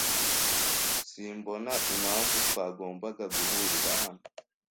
Simbona impamvu twagombaga guhurira hano.